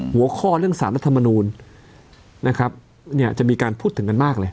หัวข้อเรื่องสารรัฐมนูลนะครับเนี่ยจะมีการพูดถึงกันมากเลย